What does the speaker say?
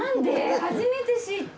初めて知った！